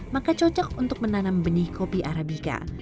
maka cocok untuk menanam benih kopi arabica